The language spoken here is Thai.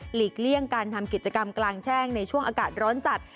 กี่ยงการทำกิจกรรมกลางแช่งในช่วงอากาศร้อนจัด